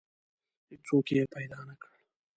هیڅوک یې پیدا نه کړ.